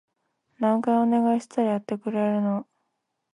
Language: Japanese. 何回お願いしたらやってくれるの？